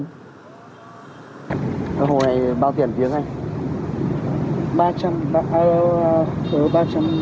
hồ này bao tiền tiếng anh